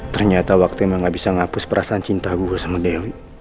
ternyata waktu emang gak bisa menghapus perasaan cinta gue sama dewi